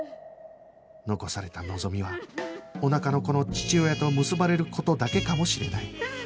残された望みはおなかの子の父親と結ばれる事だけかもしれない